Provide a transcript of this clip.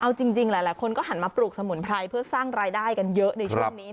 เอาจริงหลายคนก็หันมาปลูกสมุนไพรเพื่อสร้างรายได้กันเยอะในช่วงนี้